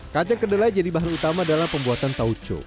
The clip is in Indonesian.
kacang kedelai jadi bahan utama dalam pembuatan tauco